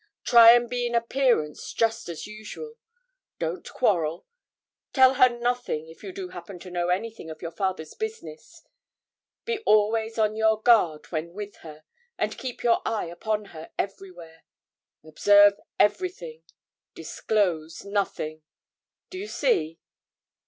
Try and be in appearance just as usual; don't quarrel; tell her nothing, if you do happen to know anything, of your father's business; be always on your guard when with her, and keep your eye upon her everywhere. Observe everything, disclose nothing do you see?'